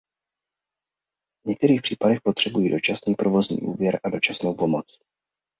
V některých případech potřebují dočasný provozní úvěr a dočasnou pomoc.